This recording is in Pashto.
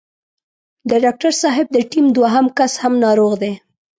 د ډاکټر صاحب د ټيم دوهم کس هم ناروغ دی.